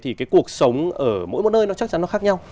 thì cái cuộc sống ở mỗi một nơi nó chắc chắn nó khác nhau